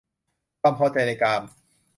ความพอใจในกาม